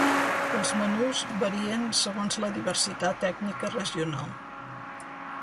Els menús varien segons la diversitat ètnica regional.